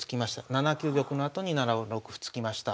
７九玉のあとに７六歩突きました。